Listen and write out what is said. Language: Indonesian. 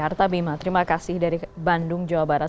artabima terima kasih dari bandung jawa barat